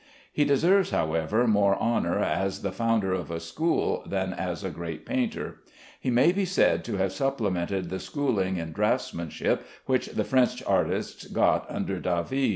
He deserves, however, more honor as the founder of a school than as a great painter. He may be said to have supplemented the schooling in draughtsmanship which the French artists got under David.